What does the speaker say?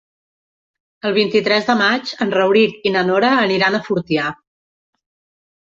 El vint-i-tres de maig en Rauric i na Nora aniran a Fortià.